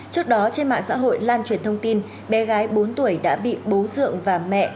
trước đó trên mạng xã hội lan truyền thông tin bé gái bốn tuổi đã bị bố rượng và mẹ